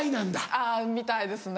あぁみたいですね。